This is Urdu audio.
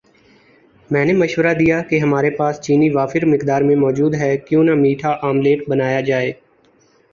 میں نے مشورہ دیا کہ ہماری پاس چینی وافر مقدار میں موجود ہے کیوں نہ میٹھا آملیٹ بنایا جائے